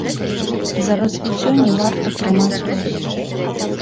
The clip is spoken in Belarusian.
За развіццё не варта прымаць рост.